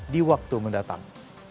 di waktu mendatang